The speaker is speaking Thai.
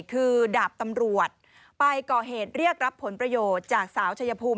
คือดาบตำรวจไปก่อเหตุเรียกรับผลประโยชน์จากสาวชายภูมิ